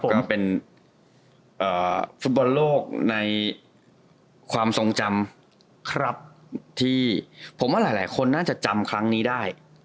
ก็เป็นฟุตบอลโลกในความทรงจำครับที่ผมว่าหลายคนน่าจะจำครั้งนี้ได้